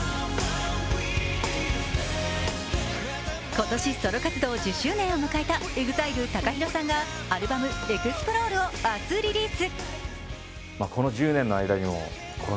今年ソロ活動１０周年を迎えたＥＸＩＬＥＴＡＫＡＨＩＲＯさんが、アルバム「ＥＸＰＬＯＲＥ」を明日リリース。